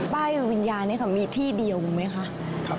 ป้ายวิญญาณนี้มีที่เดียวไหมครับ